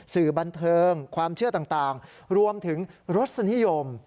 สื่อบันเทิงความเชื่อต่างรวมถึงรสนิยม